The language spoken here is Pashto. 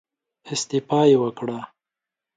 استعفا يې وکړه.